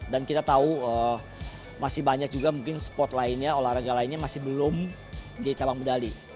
dan kita tahu masih banyak juga mungkin sport lainnya olahraga lainnya masih belum jadi cabang medali